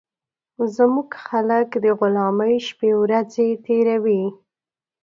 زموږ خلک د غلامۍ شپې ورځي تېروي